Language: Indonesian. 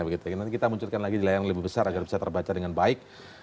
nanti kita munculkan lagi di layar yang lebih besar agar bisa terbaca dengan baik